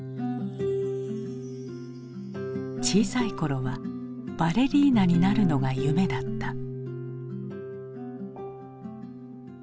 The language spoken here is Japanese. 小さい頃はバレリーナになるのが夢だった。